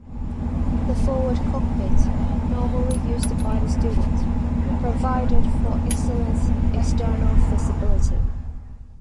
The forward cockpit, normally used by the student, provided for excellent external visibility.